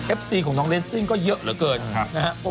ซีของน้องเรสซิ่งก็เยอะเหลือเกินนะฮะ